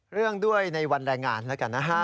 เรื่องด้วยในวันแรงงานแล้วกันนะฮะ